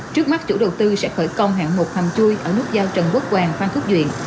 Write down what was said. trước mắt chủ đầu tư sẽ khởi công hạng một hầm chui ở nút giao trần quốc hoàng phan thuất duyện